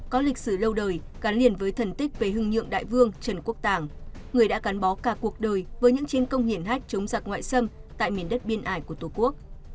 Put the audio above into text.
có lịch sử lâu đời gắn liền với thần tích về hưng nhượng đại vương trần quốc tàng người đã gắn bó cả cuộc đời với những chiến công hiển hách chống giặc ngoại xâm tại miền đất biên ải của tổ quốc